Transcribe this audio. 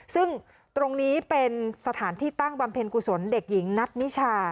ซึ่งตรงนี้เป็นสถานที่ตั้งบำเพ็ญกุศลเด็กหญิงนัทนิชา